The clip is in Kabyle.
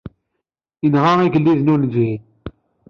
Inɣa igelliden ur neǧhid.